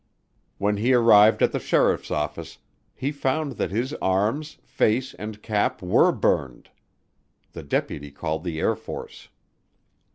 When he arrived at the sheriff's office, he found that his arms, face, and cap were burned. The deputy called the Air Force.